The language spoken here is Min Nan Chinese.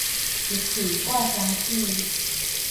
一喙掛雙舌